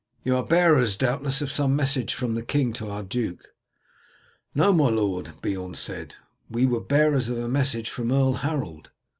"You are bearers, doubtless, of some message from the king to our duke?" "No, my lord," Beorn said, "we were bearers of a message from Earl Harold."